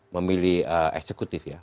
memilih eksekutif ya